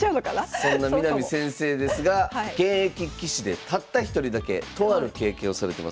そんな南先生ですが現役棋士でたった一人だけとある経験をされてます。